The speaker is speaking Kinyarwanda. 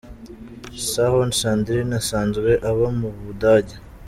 Sahorn Sandrine asanzwe aba mu Budage.